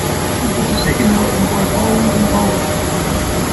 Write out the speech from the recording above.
It was the second album by Bolland and Bolland.